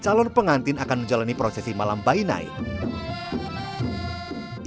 calon pengantin akan menjalani prosesi malam by night